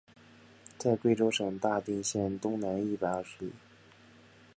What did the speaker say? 在贵州省大定县东南一百二十里。